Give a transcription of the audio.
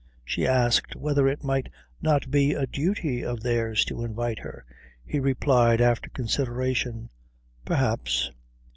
She asked whether it might not be a duty of theirs to invite her. He replied, after consideration, "Perhaps."